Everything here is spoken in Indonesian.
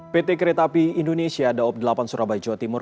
pt kereta api indonesia daob delapan surabaya jawa timur